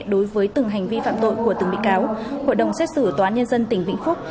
đối với từng hành vi phạm tội của từng bị cáo hội đồng xét xử tòa nhân dân tỉnh vĩnh phúc